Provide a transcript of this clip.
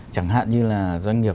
chẳng hạn như là doanh nghiệp